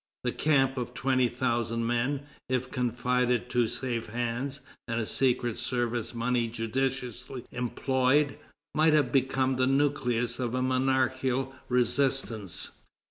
The camp of twenty thousand men, if confided to safe hands, and secret service money judiciously employed, might have become the nucleus of a monarchical resistance.